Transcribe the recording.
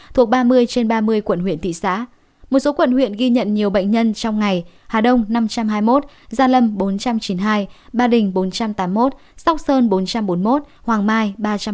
thuộc ba mươi trên ba mươi quận huyện thị xã một số quận huyện ghi nhận nhiều bệnh nhân trong ngày hà đông năm trăm hai mươi một gia lâm bốn trăm chín mươi hai ba đình bốn trăm tám mươi một sóc sơn bốn trăm bốn mươi một hoàng mai ba trăm ba mươi